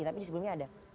tapi di sebelumnya ada